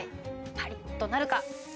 パリッとなるか。